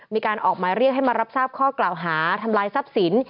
มีการออกหมายเรียกให้มารับทราบข้อกล่าวหาทำลายทรัพย์สิน